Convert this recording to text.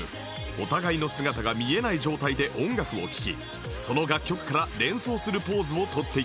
お互いの姿が見えない状態で音楽を聴きその楽曲から連想するポーズを取っていただきます